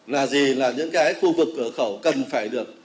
là gì là những khu vực ở khẩu cần phải được